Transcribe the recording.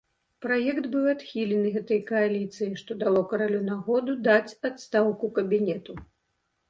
Праект быў адхілены гэтай кааліцыяй, што дало каралю нагоду даць адстаўку кабінету.